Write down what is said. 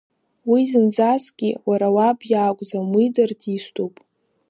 Уи зынӡаскгьы уара уаб иакәӡам, уи дартиступ.